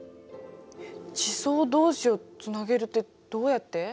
地層同士をつなげるってどうやって？